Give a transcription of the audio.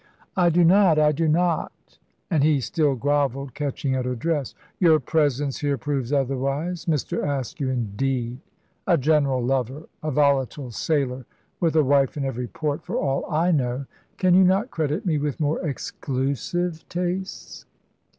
"I do not I do not"; and he still grovelled, catching at her dress. "Your presence here proves otherwise. Mr. Askew, indeed a general lover, a volatile sailor with a wife in every port for all I know. Can you not credit me with more exclusive tastes?"